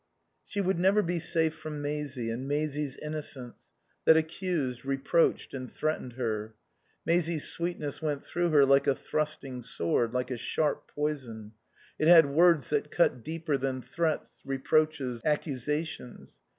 She would never be safe from Maisie and Maisie's innocence that accused, reproached and threatened her. Maisie's sweetness went through her like a thrusting sword, like a sharp poison; it had words that cut deeper than threats, reproaches, accusations.